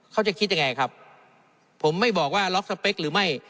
เขาจะคิดยังไงครับผมไม่บอกว่าหรือไม่